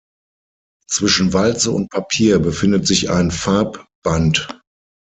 Zwischen Walze und Papier befindet sich ein Farbband.